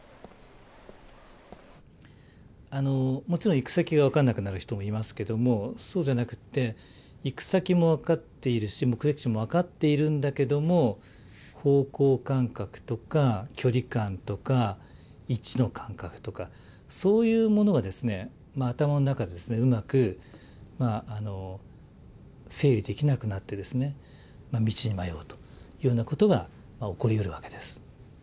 もちろん行く先が分からなくなる人もいますけどもそうじゃなくって行く先も分かっているし目的地も分かっているんだけども方向感覚とか距離感とか位置の感覚とかそういうものが頭の中でうまく整理できなくなって道に迷うというようなことが起こりうるわけです。